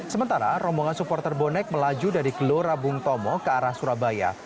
sementara rombongan supporter bonek melaju dari gelora bung tomo ke arah surabaya